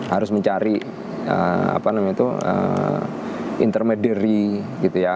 harus mencari intermediary gitu ya